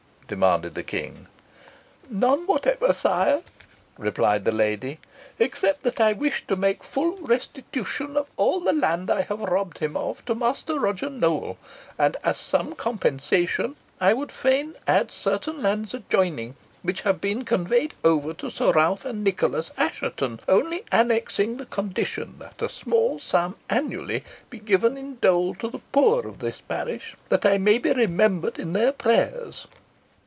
demanded the King. "None whatever, sire," replied the lady, "except that I wish to make full restitution of all the land I have robbed him of, to Master Roger Nowell; and, as some compensation, I would fain add certain lands adjoining, which have been conveyed over to Sir Ralph and Nicholas Assheton, only annexing the condition that a small sum annually be given in dole to the poor of the parish, that I may be remembered in their prayers."